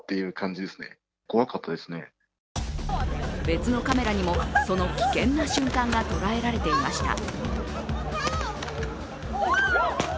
別のカメラにも、その危険な瞬間が捉えられていました。